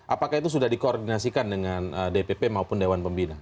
apakah itu sudah dikoordinasikan dengan dpp maupun dewan pembina